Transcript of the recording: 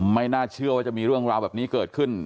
ไม่น่าเชื่อว่าจะมีเรื่องราวแบบนี้เกิดขึ้น